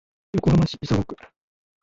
横浜市磯子区